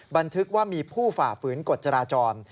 บันทึกว่ามีผู้ฝ่าฝืนกฎจราจร